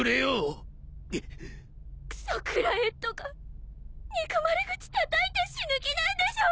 「くそ食らえ」とか憎まれ口たたいて死ぬ気なんでしょ。